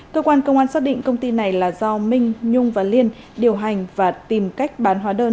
cơ quan công an xác định công ty này là do minh nhung và liên điều hành và tìm cách bán hóa đơn